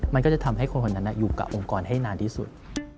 มันก็จะทำให้คนคนนั้นอยู่กับองค์กรให้นานที่สุด